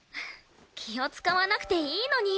気を使わなくていいのに。